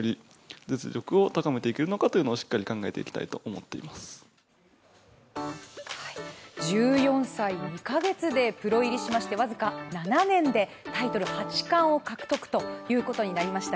この先、目指すものとは１４歳２か月でプロ入りしまして僅か７年でタイトル八冠を獲得ということになりました